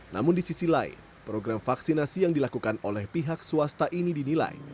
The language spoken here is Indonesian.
namun di sisi lain program vaksinasi yang dilakukan oleh pihak swasta ini dinilai